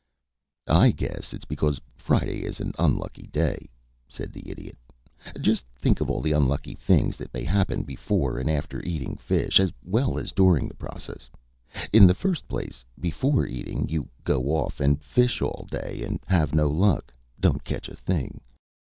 "I guess it's because Friday is an unlucky day," said the Idiot. "Just think of all the unlucky things that may happen before and after eating fish, as well as during the process. In the first place, before eating, you go off and fish all day, and have no luck don't catch a thing.